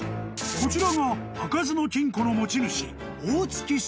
［こちらが開かずの金庫の持ち主］